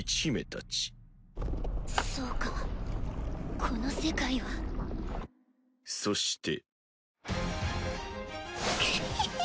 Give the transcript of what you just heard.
そうかこの世界は。うっ。